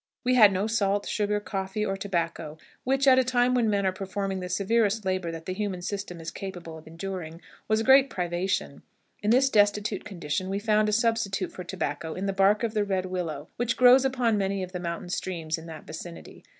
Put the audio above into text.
We had no salt, sugar, coffee, or tobacco, which, at a time when men are performing the severest labor that the human system is capable of enduring, was a great privation. In this destitute condition we found a substitute for tobacco in the bark of the red willow, which grows upon many of the mountain streams in that vicinity.